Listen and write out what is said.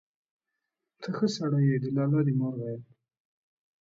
ته ښه سړى يې، د لالا دي مور غيم.